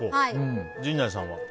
陣内さんは？